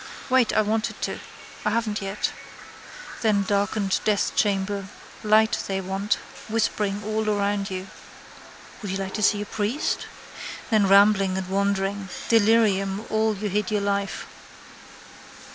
Wait, I wanted to. I haven't yet. Then darkened deathchamber. Light they want. Whispering around you. Would you like to see a priest? Then rambling and wandering. Delirium all you hid all your life.